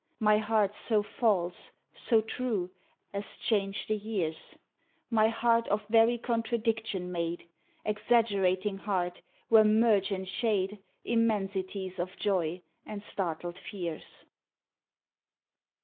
My heart so false so true as change the years, My heart of very contradiction made Exaggerating heart where merge and shade Immensities of joy and startl'd fears.